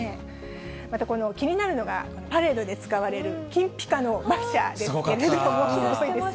またこの、気になるのが、パレードで使われる金ぴかの馬車ですけすごかった。